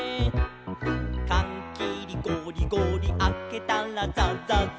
「かんきりゴリゴリあけたらザザザ」